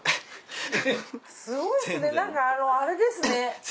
すごいですねあれですね。